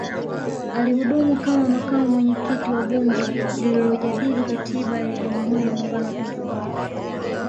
Alihudumu kama Makamu Mwenyekiti wa Bunge lililojadili Katiba ya Jamhuri ya Muungano wa Tanzania